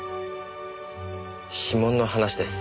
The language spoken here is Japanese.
指紋の話です。